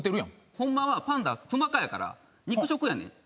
ホンマはパンダクマ科やから肉食やねん。